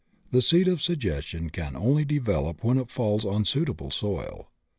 The seed of suggestion can only develop when it falls on a suitable soil.